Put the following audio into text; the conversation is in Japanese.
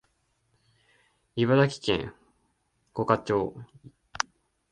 茨城県五霞町